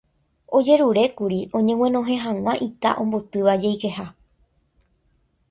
ojerurékuri oñeguenohẽ hag̃ua ita ombotýva jeikeha